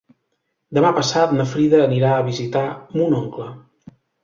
Demà passat na Frida anirà a visitar mon oncle.